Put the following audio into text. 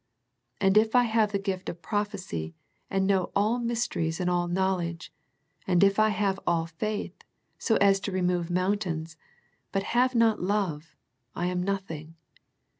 And if I have the gift of prophecy, and know all mysteries and all knowledge ; and if I have all faith, so as to remove mountains, but have not love, I am nothing.